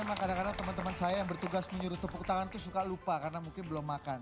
emang kadang kadang teman teman saya yang bertugas menyuruh tepuk tangan itu suka lupa karena mungkin belum makan